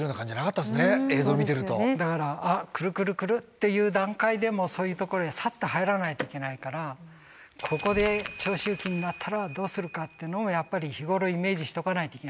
だから来る来る来るっていう段階でそういうところへサッと入らないといけないからここで長周期になったらどうするかっていうのをやっぱり日頃イメージしておかないといけないんですよね。